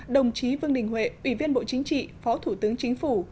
đồng chí vương đình huệ ủy viên bộ chính trị phó thủ tướng chính phủ